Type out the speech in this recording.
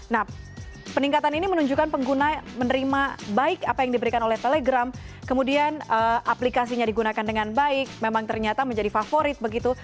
nah peningkatan ini menunjukkan pengguna menerima baik apa yang diberikan oleh telegram kemudian aplikasinya digunakan dengan baik memang ternyata menjadi favorit begitu